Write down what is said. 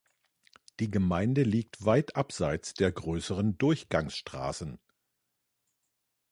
Die Gemeinde liegt weit abseits der größeren Durchgangsstraßen.